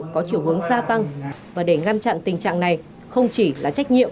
có chiều hướng gia tăng và để ngăn chặn tình trạng này không chỉ là trách nhiệm